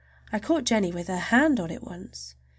I caught Jennie with her hand on it once.